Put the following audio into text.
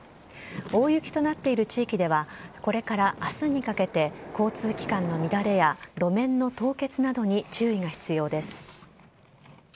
大雪となっている地域では、これからあすにかけて、交通機関の乱れや路面の凍結などに注意が必要です。